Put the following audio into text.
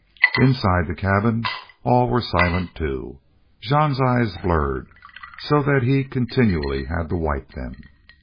Inside the cabin all were silent, too. Jean's eyes blurred so that he continually had to wipe them.